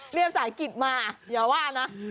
เกลียดสายกิศมาอย่าว่านะ